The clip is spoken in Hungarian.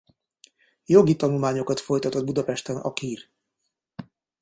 Jogi tanulmányokat folytatott Budapesten a Kir.